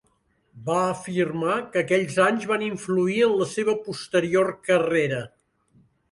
Va afirmar que aquells anys van influir en la seva posterior carrera.